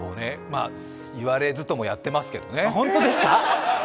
言われずともやってますけどね。